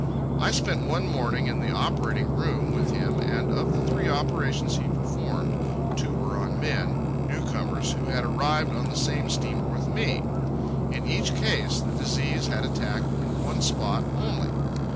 I spent one morning in the operating room with him and of the three operations he performed, two were on men, newcomers, who had arrived on the same steamer with me. In each case, the disease had attacked in one spot only.